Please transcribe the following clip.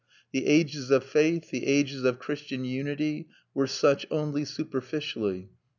The ages of faith, the ages of Christian unity, were such only superficially.